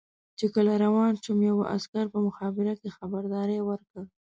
چې کله روان شوم یوه عسکر په مخابره کې خبرداری ورکړ.